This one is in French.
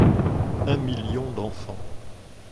Un million d’enfants.